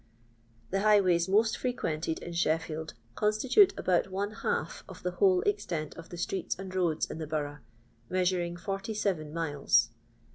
The highways most frequented in Sheffield con stitute about one half of the whole extent of the streets and roads in the borough, measuring 47 miles.